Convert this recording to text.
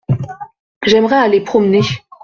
J’aimerais aller promener.